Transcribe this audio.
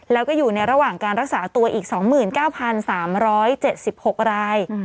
แล้วก็อยู่ในระหว่างการรักษาตัวอีก๒๙๓๗๖ราย